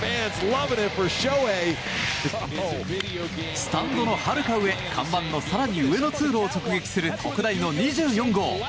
スタンドのはるか上看板の更に上の通路を直撃する特大の２４号。